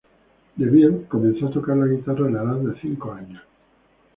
DeVille comenzó a tocar la guitarra a la edad de cinco años.